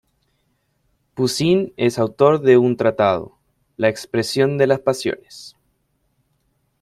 Poussin es autor de un tratado, "La expresión de las pasiones".